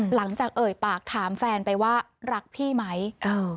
หลังจากเอ่ยปากถามแฟนไปว่ารักพี่ไหมเออ